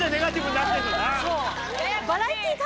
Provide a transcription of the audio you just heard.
そう。